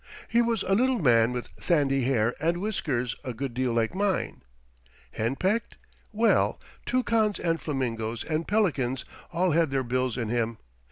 He was a little man with sandy hair and whiskers a good deal like mine. Henpecked?—well, toucans and flamingoes and pelicans all had their bills in him.